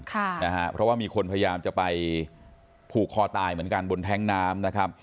เพราะว่ามีคนพยายามจะไปผูกคอตายเหมือนกันบนแท้งน้ำนะครับ